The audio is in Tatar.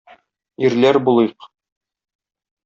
Ирләр булыйк!